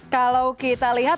kalau kita lihat